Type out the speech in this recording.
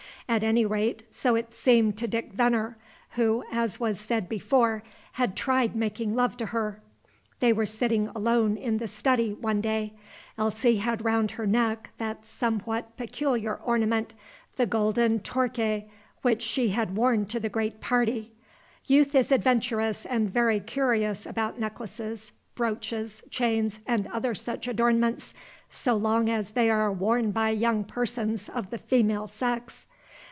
At any rate, so it seemed to Dick Venner, who, as was said before, had tried making love to her. They were sitting alone in the study one day; Elsie had round her neck that somewhat peculiar ornament, the golden torque, which she had worn to the great party. Youth is adventurous and very curious about necklaces, brooches, chains, and other such adornments, so long as they are worn by young persons of the female sex.